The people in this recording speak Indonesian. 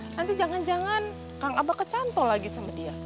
nanti jangan jangan kang abah kecantol lagi sama dia